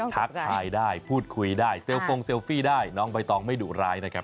ทักทายได้พูดคุยได้เซลฟงเซลฟี่ได้น้องใบตองไม่ดุร้ายนะครับ